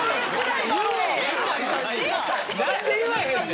なんで言わへんねん！